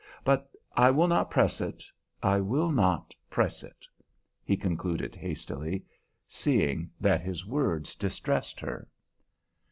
But I will not press it, I will not press it," he concluded hastily, seeing that his words distressed her.